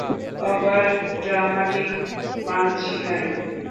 Over dramatic punch line!